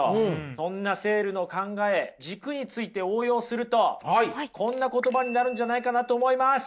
そんなセールの考え軸について応用するとこんな言葉になるんじゃないかなと思います。